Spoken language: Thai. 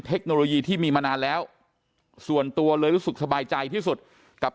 เทคโนโลยีที่มีมานานแล้วส่วนตัวเลยรู้สึกสบายใจที่สุดกับ